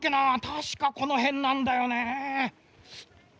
たしかこのへんなんだよね。